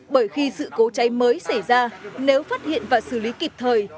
bởi khi sự cố cháy mới xảy ra nếu phát hiện và xử lý kịp thời